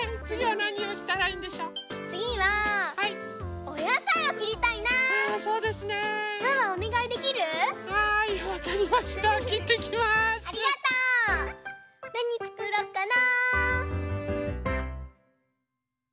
なにつくろうかな？